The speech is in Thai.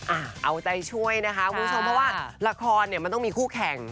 อ่ะเอาใจช่วยนะคะคุณผู้ชมเพราะว่าละครเนี่ยมันต้องมีคู่แข่ง